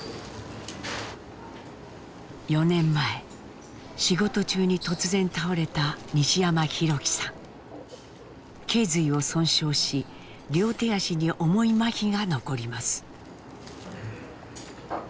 ４年前仕事中に突然倒れたけい随を損傷し両手足に重いまひが残ります。